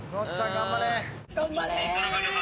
頑張れ。